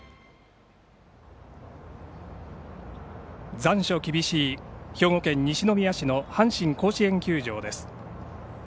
残暑厳しい兵庫県西宮市の阪神甲子園球場です。